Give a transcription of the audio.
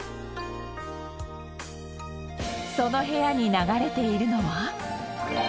その部屋に流れているのは。